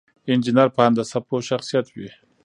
انجينر په هندسه پوه شخصيت وي.